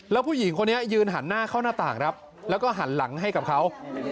แล้วผู้หญิงคนนี้ยืนหันหน้าเข้าหน้าต่างครับแล้วก็หันหลังให้กับเขา